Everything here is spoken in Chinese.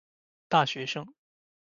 大学生